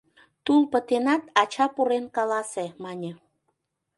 — Тул пытенат, ача пурен каласе, мане...